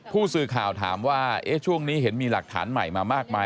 ผู้สื่อข่าวถามว่าช่วงนี้เห็นมีหลักฐานใหม่มามากมาย